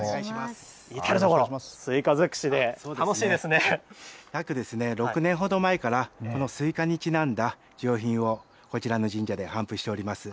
至る所スイカ尽くしで楽しい約６年ほど前から、このスイカにちなんだ品をこちらの神社で頒布しております。